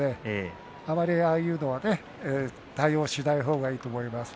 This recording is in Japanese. あまり、ああいった相撲は対応しない方がいいと思いますよ。